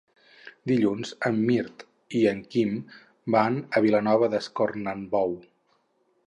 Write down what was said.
Dilluns en Mirt i en Quim van a Vilanova d'Escornalbou.